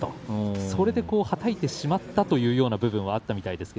それで、はたいてしまったという部分があったということです。